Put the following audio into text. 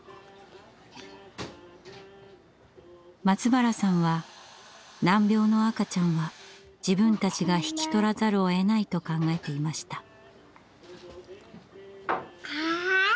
松原さんは難病の赤ちゃんは自分たちが引き取らざるをえないと考えていました。